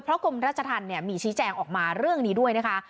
กรมราชธรรมมีชี้แจงออกมาเรื่องนี้ด้วยนะคะ